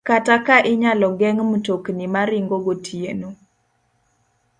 Kata ka inyalo geng' mtokni ma ringo gotieno